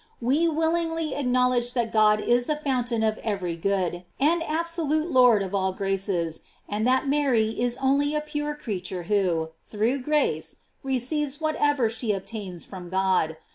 We willingly acknowledge that God is the foun tain of every good, and absolute Lord of all graces and that Mary is only a pure creature who, through grace, receives whatever she obtains from God.